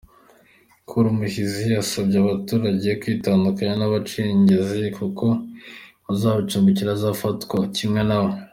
Col Muhizi yasabye aba baturage kwitandukanya n’abacengezi kuko uzabacumbikira azafatwa kimwe na bo.